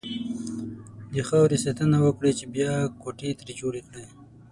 د خاورې ساتنه وکړئ! چې بيا کوټې ترې جوړې کړئ.